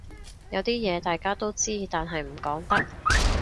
有啲嘢大家都知但係唔講得